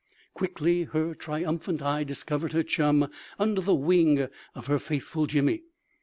Quickly her triumphant eye discovered her chum under the wing of her faithful Jimmy.